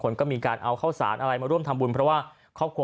คนก็มีการเอาข้าวสารอะไรมาร่วมทำบุญเพราะว่าครอบครัว